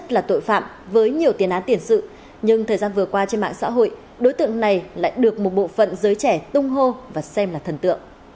làm cho cháu nguyên rồi cháu nghĩ về mẹ cháu